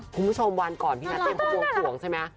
คุณผู้ชมวันก่อนพี่นัทเทพกล่วงใช่ไหม